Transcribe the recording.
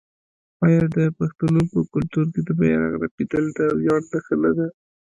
آیا د پښتنو په کلتور کې د بیرغ رپیدل د ویاړ نښه نه ده؟